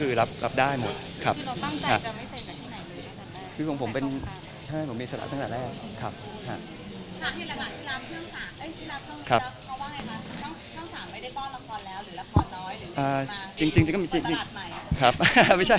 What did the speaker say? คุณรับช่องนี้แล้วเขาว่าไงคะช่อง๓ไม่ได้ป้อนละครแล้วหรือละครน้อยหรือมาประดาษใหม่